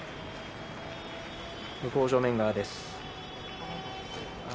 向正面側です。